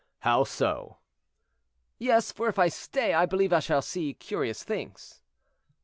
"How so?" "Yes; for if I stay, I believe I shall see curious things."